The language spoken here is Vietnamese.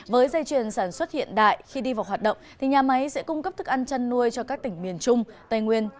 với dây chuyền sản xuất hiện đại khi đi vào hoạt động thì nhà máy sẽ cung cấp thức ăn chăn nuôi cho các tỉnh miền trung tây nguyên